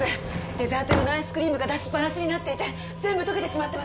デザート用のアイスクリームが出しっぱなしになっていて全部溶けてしまってます。